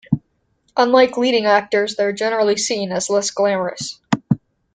Unlike leading actors, they are generally seen as less glamorous.